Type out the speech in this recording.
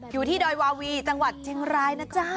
อยู่ที่ดอยวาวีจังหวัดเจงรายนะเจ้า